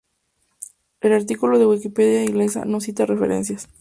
El artículo de la Wikipedia inglesa no cita referencias.